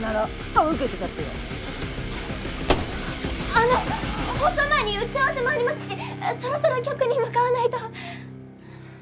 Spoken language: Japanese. あの放送前に打ち合わせもありますしそろそろ局に向かわないと。